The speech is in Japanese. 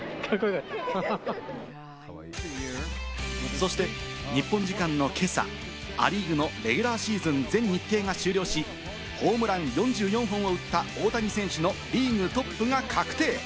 そして日本時間の今朝、ア・リーグのレギュラーシーズン全日程が終了し、ホームラン４４本を打った大谷選手のリーグトップが確定。